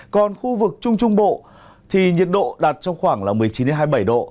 còn khu vực trung trung bộ thì nhiệt độ đạt trong khoảng một mươi chín hai mươi bảy độ